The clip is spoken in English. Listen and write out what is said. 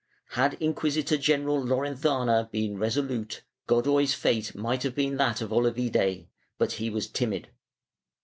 Had Inquisitor general Lorenzana been resolute, Godoy's fate might have been that of Olavide, but he was timid.